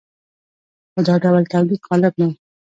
خو دا ډول تولید غالب نه و.